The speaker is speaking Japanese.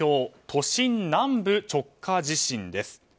都心南部直下地震です。